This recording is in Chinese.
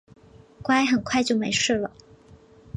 乖，很快就没事了